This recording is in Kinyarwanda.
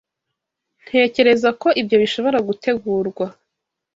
Ntekereza ko ibyo bishobora gutegurwa.